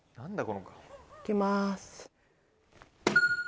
行きます。